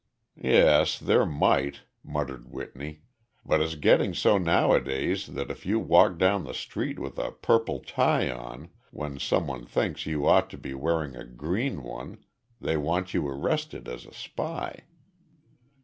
"Yes, there might," muttered Whitney, "but it's getting so nowadays that if you walk down the street with a purple tie on, when some one thinks you ought to be wearing a green one, they want you arrested as a spy.